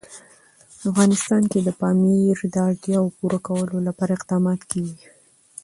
افغانستان کې د پامیر د اړتیاوو پوره کولو لپاره اقدامات کېږي.